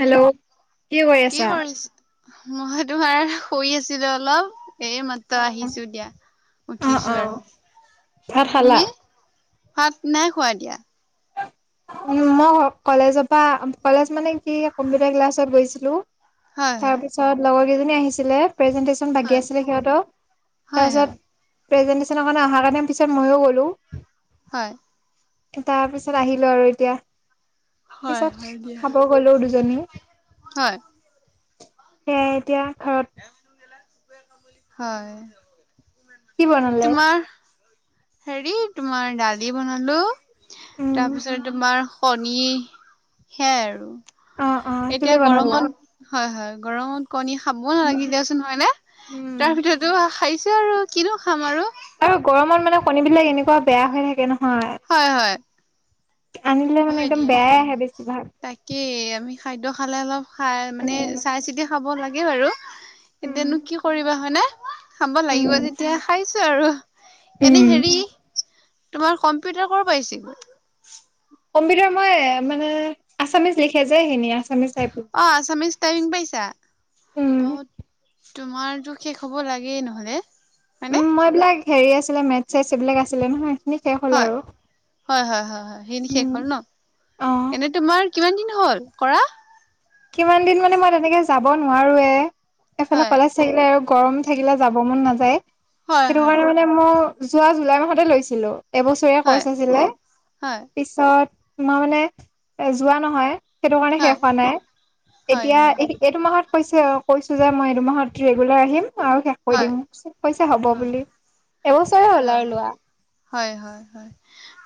Hello কি কৰি আছা? মই তোমাৰ শুই আছিলোঁ অলপ। এই মাত্ৰ আহিছো দিয়া অ', উঠিছো অ', আৰু ভাত খালা? তুমি? ভাত নাই খোৱা এতিয়া? উম মই কলেজৰ পৰা কলেজ মানে কি কম্পিউটাৰ ক্লাছত গৈছিলোঁ হয় হয় তাৰপিছত লগৰ কেইজনী আহিছিলে প্ৰেজেণ্টেশ্যন বাকী হয় আছিলে সিহঁতৰ হয় হয় তাৰপিছত প্ৰেজেন্টেশন এ অহাৰ কাৰণে পিছত ময়ো গ'লো। হয়। তাৰ পিছত আহিলো আৰু এতিয়া, হয় পিছত হয় দিয়া। খাব গলো দুজনী। হয়। সেয়াই এতিয়া ঘৰত [unintelligible] হয়। কি বনালে? তোমাৰ হেৰি তোমাৰ দালি বনালো উম, তাৰপিছত তোমাৰ কনী সেয়াই আৰু অ', অ', তুমি এতিয়া বনালা? গৰমত, হয় হয়। গৰমত কণী খাবও নালাগে দিয়াচোন হয় নে? উম, তাৰ ভিতৰতো খাইছোঁ আৰু কিনো খাম আৰু আৰু গৰমত মানে কণী বিলাক এনেকুৱা বেয়া হৈ থাকে নহয় হয় হয়। আনিলে মানে হয় একদম দিয়া। বেয়াই আহে বেছিভাগ। তাকেই আমি খাদ্য খালে অলপ খাই মানে উম, চাই-চিতি খাব লাগে বাৰু উম, এতিয়ানো কি কৰিবা হয়নে? খাব উম লাগিব যেতিয়া খাইছো আৰু এনে উম হেৰি তোমাৰ কম্পিউটাৰ কৰ পাইছেগৈ কম্পিউটাৰ মই মানে আছামিচ লিখে যে সিনি আছামিচ অ আছামিজ টাইপিং পাইছা, উম। অঁ। তোমাৰতো শেষ হ'ব লাগেই নহ'লে। হয়নে? উম মইবিলাক হেৰি আছিলে মেথ চেচ এইবিলাক আছিলে নহয়। সেইখিনি শেষ হ'ল হয়, আৰু। হয় হয় হয় সেইখিন শেষ উম, হ'ল ন? অ', এনে তোমাৰ কিমান দিন হ'ল, কৰা? কিমান দিন মানে মই তেনেকে যাব নোৱাৰোৱে, এফালে হয়, কলেজ থাকিলে আৰু গৰম থাকিলে যাব মন নাযায় হয়, সেইটো হয়, কাৰণে মানে মই যোৱা জুলাই মাহতে লৈছিলো। এবছৰীয়া হয়, কৰ্চ আছিলে, হয়, পিছত তোমাৰ মানে এ যোৱা নহয় সেইটো কাৰণে হয়, শেষ হোৱা নাই হয়, এতিয়া, হয়, এইটো মাহত মাহত কৈছে, কৈছোঁ যে মই এইটো মাহত ৰেগুলাৰ আহিম আৰু শেষ কৰি হয়, দিম, কৈছে হ'ব বুলি। এবছৰে হ'ল হয়, আৰু লোৱা। হয় হয় হয়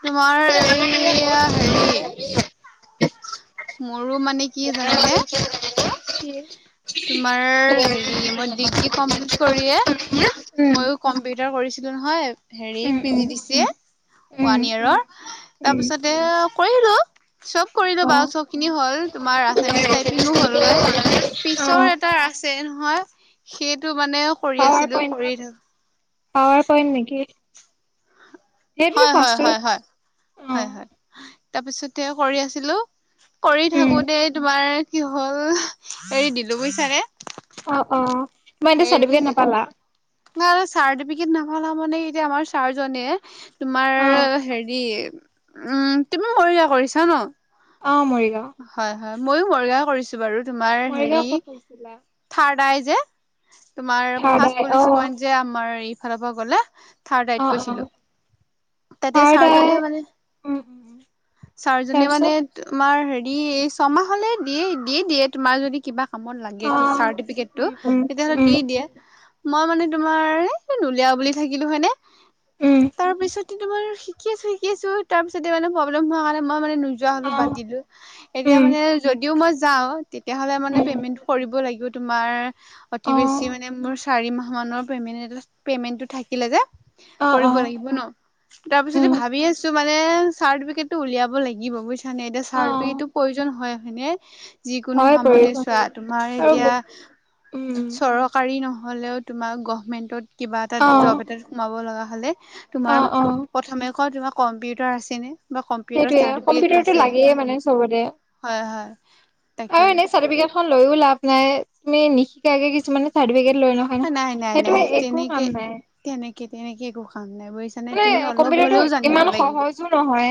তোমাৰ এইয়া হেৰি মোৰো মানে কি জান নে, হ মিগ ক কৰি মই কম্পিউাৰ কৰিছিলো নহয়। হেৰি um P um um G দিছে উম ওৱান ইয়েৰৰ উম তাৰপিছতে কৰিলো। চব কৰিলো অ অ বাৰু চব খিনি হ'ল তোমাৰ আছামিজ টাইপিইং হ'লগৈ পিছৰ এটা আছে। হয় সেইটো মানে কৰি পাৱাৰ আছিলো পইণ্ট কৰি থাকো। পাৱাৰ পইণ্ট মেকি, হয় হয় হয় অ হয়! তাৰপিছতে কৰি আছিলো কৰি উম থাকোতে তোমাৰ কি হ'ল এৰি দিলো বুইছাৰে অ অ তোমাৰ চাৰটিফিক নাপালা ন চাৰ্টিফিকেট নাপালা মানে এতিয়া আমাৰ চাৰজনে, তোমাৰ অ হেৰি উম তুমি সৰৱ কৰিছা ন অ মৰিগা, হয় হয় মইো মৰ্গা কৰিছো বাৰু তুমাৰ হেৰি মৰিগাঁও ক'ত কৰিছিলা থাৰ্ড আই যে, থাৰ্ড আই অ তোমাৰলচ পইন্ট যে আমাৰ এইফালৰ পৰা গলে থাৰ্ডই অ অ কৈছিলো। তাতে থাৰ্ড আই ছাৰজনে মানে উম উম ছাৰজনে মানে তাৰপিছত তোমাৰ হে, দিয় এই ছমাহলে দিয়ে দিয়ে দিয়ে তোমাৰ যদি কিবা। ামত লাগে অ চাৰ্টিকটো উম উম তেতিয়াাহলে উম দি দিয়ে, মই মানে তোমাৰ নুলিয়া বুলি থাকিলো হয়নে উম তাৰপিছত, তোমাৰ শিকি আছো শিকিছো তাৰ পিছতে মানে প্ৰব্ম হোৱাৰণে মই মানে নোযোৱা হলো অ বাদ দিলো এতিয়া উম মানে যদিও মই যাও তেতিয়া হলে মানে উম পেমেন্ কৰিব লাগিব তোমাৰ, [inaudible] অ অ অ কৰিব লাগিব ন তাৰপিছতে উম ভাবি আছো। মানে চাৰ্টিফিকটটো উলিয়াব লাগিব বুজিছা নে এতিয়া অ চাৰ্টিফিকেটটো প্ৰয়োজন হয় হয়নে, যিকোনো হয় কামতে পৰিব চোৱা তোমাৰ আৰু এতিয়া ব- উম চৰকাৰী নহয়। হ'লেও তোমাৰ গভমেণ্টত কিবা এটা অ জব এটাত সোমাব লগা হ'লে। অ তোমাৰ অ প্ৰথমে ক তোমাৰ কম্পিউটাৰ আছে সেইটোয়ে কম্পিউটাৰটো নে? [inaudible] লাগেই মানে আৰু এনে চটিিক লৈও লাভ নাই তুমি নি! ে কিছুমানে চাৰ্টিফিকেট লৈ নহয় ন নাই নাই সেইটো নাই একো তেনেকে কাম নাই! তেনেকে তেনেকে একো কাম নাই বুজিছানে মানে তুমি অলপ কম্পিউটাৰটো হ'লেও জানিব ইমান লাগিব সহজো নহয়।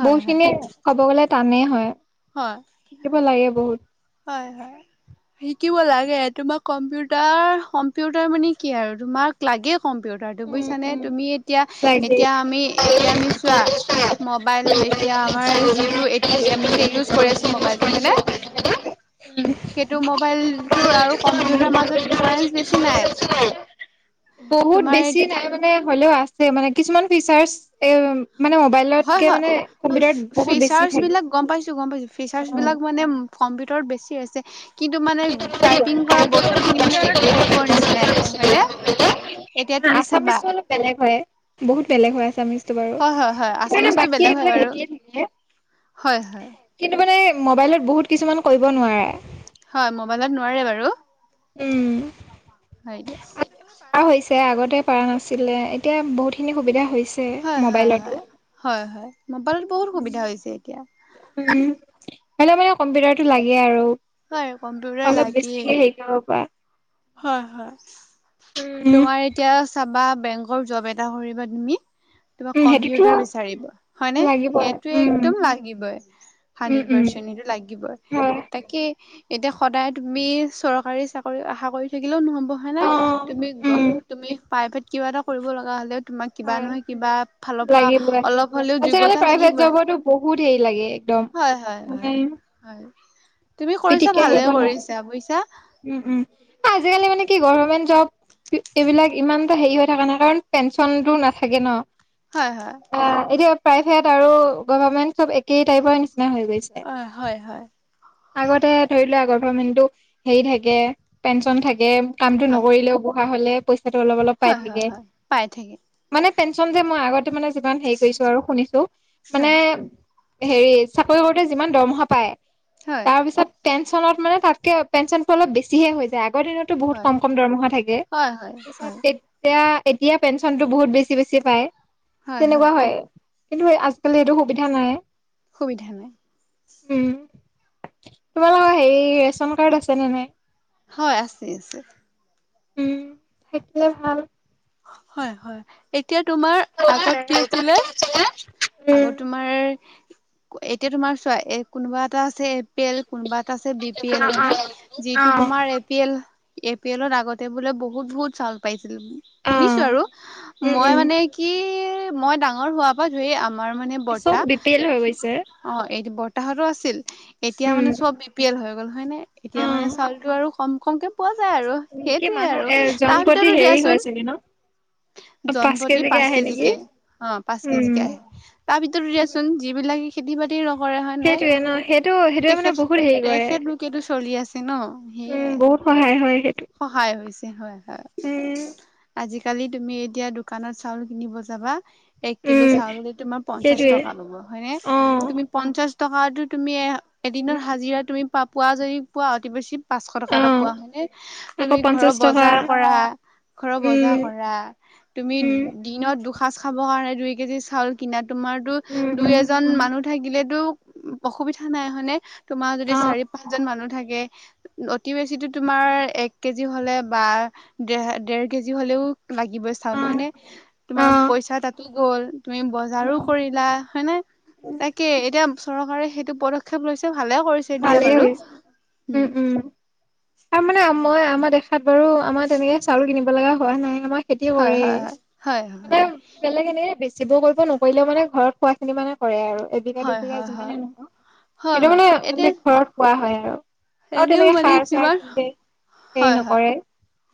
হয় বহুত হয় খিনিয়ে কব গলে টানেই হয় হয় শিকিব লাগে বহুত হয় হয়! শিকিব লাগে তোমাক কম্পিউটাৰ কম্পিউটাৰ মানে কি আৰু তোমাক লাগে। কম্পিউটাৰটো উম বুজিছানে উম তুমি এতিয়া এতিয়া আমি এতিয়া আমি চোৱা, মবাইল এতিয়া আমাৰ যিটো আমি এ ইজ কৰি আছো মবাইলটো হয়নে? [inaudible] সেইটো মোবাইলটো আৰু কম্পিউটাৰ মাজত ডিফাৰেন্স বেছি নাই। বহুত তোমাৰ বেছি তাই মানে হ'লেও আছে মানে কিছুমান ফিচাৰছ এ মোবাইলতকৈ মানে। অ কম্পিউটাৰত বহুত বেছি ফিচাৰ্চ থাকে। বিলাক গম পাইছো গম পাইছো ফিচাৰ্চ বিলাক মানে কম্পিউটাৰত বেছি আছে। কিন্তু মানে টাইপিং কৰা বস্তু খিনি মানে একে টাইপৰ নিচিনাই হয় হয় ন। ন আছামিছো অলপ বেলেগ হয় বহুত বেলেগ হয় আছামিজটো বাৰু হয় হয় হয় কিন্তু মানে আছামিজটো বাকী বেলেগ হয় এইবিলাক বাৰু এক থাকিল হয় হয় কিন্তু মানে মবাইলত বহুত কিছুমান কৰিব নোৱাৰে। হয় মবাইলত নোৱাৰে বাৰু উম হয় দিয়া। প হৈছে আগতে পাৰা নাছিলে এতিয়া বহুতখিনি সুবিধা হৈছে হয় হয় হয় মোবাইলতো হয় হয় মোবাইলত বহুত সুবিধা হৈছে এতিয়া। হলে মানে কম্পিউটাৰটো লাগে আৰু হয় অলপ বেছিকে হেৰি কৰিব পাৰা। হয়-হয়। উম তোমাৰ এতিয়া চাবা বেংকৰ জব এটা কৰিবা তুমি তোমাক উম কম্পিউটাৰ সেইটোতো বিচাৰিব হয়নে, লাগিবই সেইটো উম একদম লাগিবই। উম হাড্ৰেড উম পাৰ্চেন্ট সেইটো লাগিব হয় তাকে এতিয়া সদায় তুমি চৰকাৰী চাকৰি আশা কৰি থাকিলেও নহব হয়নে? অ তুমি, উম তুমি প্ৰাইভেট কিবা এটা কৰিব লগা হ'লেও তোমাক কিবা হয় নহয় কিবা ফালৰ পৰা লাগিবই অলপ হলেও আজিকালি যোগ্যতা প্ৰাইভেট লাগিবয়ে। জবতো বহুত হেৰি লাগে একদম হয়-হয়-হয়-হয়। পিতিক ন বুজিছা উম, উম আজিকালি মানে কি গে জব এইবিলাক ইমান এটা হেৰি হৈ থাকা নাই কাৰণ পেঞ্চনতো নাথাকে ন' হয় হয় অ, এতিয়া প্ৰাইভেট আৰু গভমেন্ট চব একেই টাইপৰ নিচ অ, হয়-হয়। আগতে ধৰি লোৱা আগৰ গবৰমেন্ট টো হেৰি থাকে পেঞ্চন থাকে কামটো হয় নকৰিলেও বহ [unintelligible] হ'লে পইচাটো অলপ-অলপ পাই হয় হয় থাকে। হয় পাই থাকে মানে পেঞ্চন যে মই আগতে মানে যিমান হেৰি কৰিছো আৰু শুনিছো মানে হয় এ হেৰি চাকৰি কৰোতে যিমান দৰমহা পায় হয় তাৰ পিছত পেঞ্চনত মানে তাতকে পেঞ্চনটো অলপ বেছিহে হৈ যায় আগৰ দিনততো বহুত হয় কম-কম দৰমহা থাকে হয় হয় পিছত হয় তেততিয়া এতিয়া পেঞ্চনটো বহুত বেছি-বেছি পায় তেনেকুৱা হয়। কিন্তু আজিকালি এইটো সুবিধা নাই। সুবিধা নাই। উম, তোমালোকৰ হেৰি ৰেচন কাৰ্ড আছেনে নে নাই? হয় আছে, আছে। উম থাকিলে ভাল। হয় হয়। এতিয়া তোমাৰ আগত কি আছিলে উম, আগত তোমাৰ। এতিয়া তোমাৰ চোৱা এ কোনোবা এটা এ পি এল কোনোবা এটা আছে বি পি এল অ যিটো তোমাৰ এ পি এল। এপ্ৰিল আগতে বোলে বহুত, বহুত চাউল পাইছিল অ শুনিছো আৰু উম মই উম মানে কি মই ডাঙৰ হোৱাৰ পৰা ধুই আম আমাৰ মানে চব বি পি এল হৈ গৈছে বৰ্তাহ অ এইটো বৰতাহতো আছিল। এতিয়া উম মানে চব বি পি এল হৈ গ'ল হয় নে অ এতিয়া মানে চাউলতটো আৰু কম কমকে পোৱা আৰু কি সেইটোৱে মানুহ আৰু এজন তাৰ প্ৰতি ভিতৰতো হেৰি হয় দিয়াচোন। চাগে ন [inaudible] জোনপতি কেজিকে পাঁচ আহে নেকি কেজিকে অ পাঁচ উম কেজিকে আহে তাৰ ভিতৰত দিয়াচোন য [unintelligible] নকৰে হয় নে সেইটোয়ে ন সেইটো সেইটোয়ে মানে তেখেত বহুত হেৰি কৰে তেখেত লোকেটো চলি আছে ন উম সেইয়াই। বহুত সহায় হয় সেইটো। সহায় হৈছে হয় হয়। উম আজিকালি তুমি এতিয়া দোকানত চাউল কিনিব যাবা এক কিলো উম চাউল তোমাৰ পঞ্চাশ সেইটোৱে টকা ল'ব। হয়নে? অ তুমি পঞ্চাশ টকা তুমি এদিনত হাজিৰা তুমি প পোৱা যদি পোৱা অতি বেছি পাচশ টকা অ এ পোৱা হয় আকৌ তুমি ঘৰৰ পঞ্চাশ টকা বজাৰ কৰা। উম কৰা তুমি উম দিনত দুসাঁজ খাব কাৰণে দুই কেজি চাউল কিন তোমাৰতো উম দুই উম এজন মানুহ থাকিলেতো অসুবিধা নাই হনে তোমাৰ যদি অ চাৰি পাঁচজন মানুহ থাকে। অতি বেছি তোমাৰ এক কেজি হলে বা দেৰ দেৰ কেজি, হ'লেও লাগিবই চাও ন অ হয় ন তোমাৰ অ পইচা তাতো গ'ল, তুমি বজাৰো কৰিলা হয় নে তাকে এতিয়া চৰকাৰে সেইটো পদক্ষেপ লৈছে। ভালে কৰিছে দিয়া ভালেই বাৰুম তাৰ মানে মই আমাৰ দেখাত বাৰু আমাৰ তেনেকে চাউল কিনিব লগা হোৱা নাই আমাৰ খেতি হয় কৰেই হয় হয় মানে হয় বেলেগ এনেকে বেছি যিবোৰ কৰিব নকৰিলেও মানে ঘৰত খোৱাখিনি মানে কৰে আৰু এবিঘা হয় দুবিঘা হয় হয় হয় হয় যিমানেই নহও হয় সেইটো হয় মানে মানে এতিয়া ঘৰত খোৱা হয় আ এনেও মানে কিবা হেৰি হয় হয় নকৰে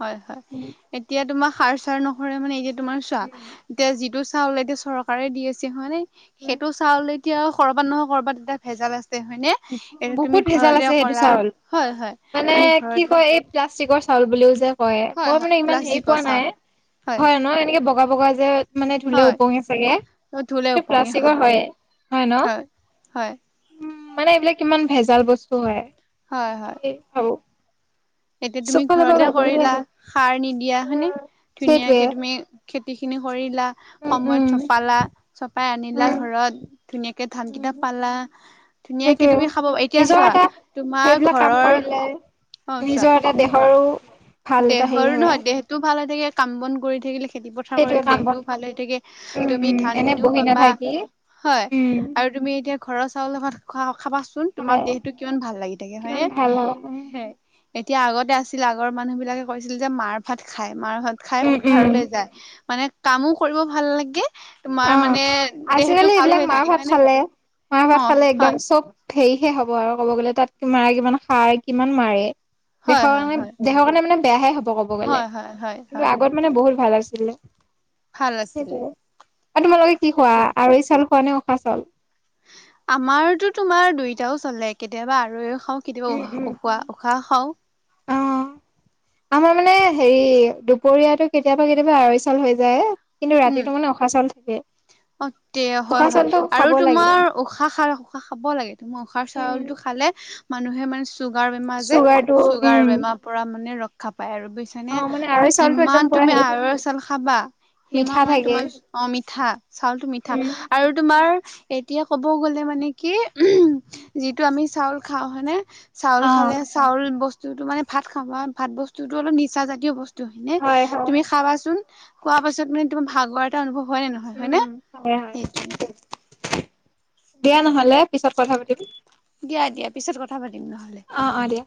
হয় হয় উম এতিয়া তোমাৰ সাৰ চাৰ নসৰে মানে এইকে তোমাৰ চোৱা এতিয়া যিটো চাউল এতিয়া চৰকাৰে দি আছে হয়নে উম সেইটো চাউলে এতিয়া কৰ'বাত নহয় কৰ'বাত এতিয়া ভেজাল আছে হয়নে এতিয়া বহুত তুমি ভেজাল আছে ঘৰতে সেইটো কৰা চাউল হয় হয় মানে তুমি কি ঘৰতে কয় এই প্লাষ্টিকৰ চাউল বুলিও যে কয় হয় মই হয় মানে ইমান হেৰি প্লাষ্টিকৰ পোৱা নাই চাউল হয় ন এনেকে বগা বগা যে মানে ধুলে হয় ওপঙি চাগে ধুলে হেটো ওপঙি প্লাষ্টিকৰ হয় হয়য়ে হয় হয় উম মানে এইবিলাক কিমান ভেজাল বস্তু হয় হয় হয় তাকেই ভাবো এতিয়া চব তুমি ফালৰ পৰা ঘৰতে ভেজালে কৰিলা আহে সাৰ নিদিয়া হয়নে উম, সেইটোৱে ধুনীয়াকে তুমি খে খেতি খিনি কৰি লা উম উম সময়ত চপালা চপাই আনিলা উম ঘৰত ধুনীয়াকে ধান কেইটা উম পালা ধুনীয়াকে সেইটোৱে তুমি খাব এতিয়া নিজৰ চোৱা এটা তোমাৰ সেইবিলাক কাম ঘৰৰ কৰিলে নিজৰ এটা দেহৰো ভাল এটা হেৰি দেহৰ হয় নহয় দেহটোও ভাল হৈ থাকে কাম বন কৰি থাকিলে খেতি পথাৰ কৰি সেইটোৱে কাম বন দেহটোও ভাল হয় থাকে উম তুমি উম ধান এনে খিনিও বহি পাবা নাথাকি হয় উম আৰু তুমি এতিয়া ঘৰৰ চাউলৰ ভাত খ খাবাচোন হয় তোমাৰ দেহটো কিমান ভাল লাগি থাকে কিমান ভাল হয় হয়নে এতিয়া আগতে আছিল আগৰ মানুহ বিলাকে কৈছিল যে মাৰ ভাত খাই মাৰ ভাত খাই উম উম পথাৰলৈ যায় মানে কামো কৰিব ভাল লাগে তোমাৰ অ মানে দেহটো আজিকালি ভাল এইবিলাক হৈ মাৰ থাকে ভাত হয়নে চলে মাৰ অ ভাত খালে হয় একদম চব হেৰিহে হ'ব আৰু ক'ব গ'লে তাত মাৰ কিমান খাই কিমান কিমান মাৰে হয় দেশৰ হয় কাৰণে হয় দেশৰ কাৰণে মানে বেয়াহে হ'ব ক'ব গলে হয় হয় হয় কিন্তু হয় আগত মানে বহুত ভাল আছিলে ভাল আছিলে সেইটোৱে আৰু তোমালোকে কি খোৱা তাকে আঢ়ৈ চাউল খোৱা নে উখা চাউল আমাৰতো তোমাৰ দুইটাও চলে কেতিয়াবা আঢ়ৈও খাওঁ কেতিয়াবা উম উম উ উহা উম উশাহ খাওঁ অ আমাৰ মানে হেৰি দুপৰীয়াটো কেতিয়াবা কেতিয়াবা আঢ়ৈ চাউল হৈ যায় কিন্তু উম ৰাতিটো মানে উখোৱা চাউল থাকে অ তে হয় উশাহ হয় চাউলটো আৰু খাব লাগে তোমাৰ উশাহ খা উশাহ খাব লাগে তুমাৰ উশাহ উম, চাউলো খ খালে মানুহে মানে চোগাৰ বেমাৰ যে চুগাৰটো চোগাৰ উম বেমাৰ পৰা মানে ৰক্ষা পাই আৰু অ বুইছানে মানে আঢ়ৈ চাউলটো একদম কিমান পুৰা তুমি হেৰি থাকে আঢ়ৈ চাউল খাবা সিমাহ মিঠা মানে থাকে তোমাৰ অ মিঠা চাউলটো মিঠা উম আৰু তোমাৰ এতিয়া ক'ব গ'লে মানে কি উ যিটো আমি চাউল খাওঁ হয়নে চাউল অ খালে চাউল বস্তুটো মানে ভাত খাবা ভাত বস্তুতো অলপ নিচা জাতীয় বস্তু ত হয়নে হয় হয় তুমি খাবা চোন খোৱা পাছত মানে তোমাৰ ভাগৰ এটা অনুভৱ হয় নে নহয় হয় উম নে হয় হয় সেইটোৱে দিয়া নহলে পিছত কথা পাতিম দিয়া দিয়া পিছত কথা পাতিম নহলে অ অ দিয়া